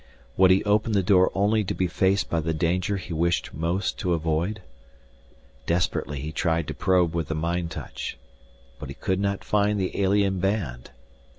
Would he open the door only to be faced by the danger he wished most to avoid? Desperately he tried to probe with the mind touch. But he could not find the alien band.